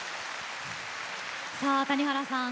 さあ谷原さん